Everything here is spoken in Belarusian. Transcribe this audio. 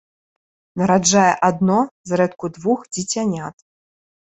Нараджае адно, зрэдку двух дзіцянят.